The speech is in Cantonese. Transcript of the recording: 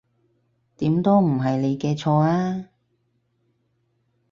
點都唔係你嘅錯呀